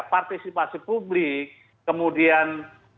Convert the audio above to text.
partisipasi publik kemudian